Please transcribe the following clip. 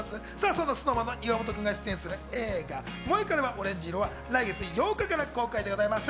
そんなＳｎｏｗＭａｎの岩本君が出演する映画『モエカレはオレンジ色』は来月８日から公開でございます。